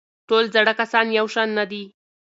ټول زاړه کسان یو شان نه دي.